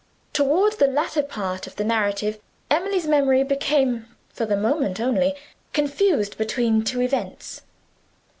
Toward the latter part of the narrative Emily's memory became, for the moment only, confused between two events.